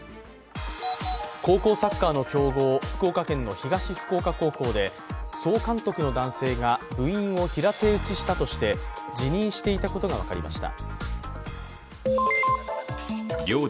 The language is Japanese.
高校サッカーの強豪福岡県の東福岡高校で総監督の男性が部員を平手打ちしたとして辞任していたことが分かりました。